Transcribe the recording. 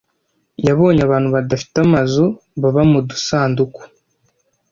yabonye abantu badafite amazu baba mu dusanduku.